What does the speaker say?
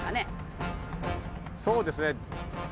そうですね。